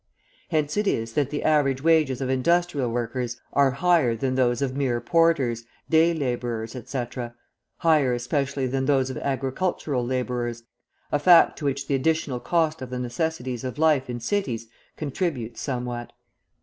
Hence it is that the average wages of industrial workers are higher than those of mere porters, day labourers, etc., higher especially than those of agricultural labourers, a fact to which the additional cost of the necessities of life in cities contributes somewhat.